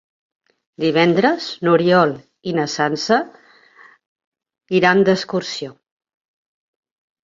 Divendres n'Oriol i na Sança iran d'excursió.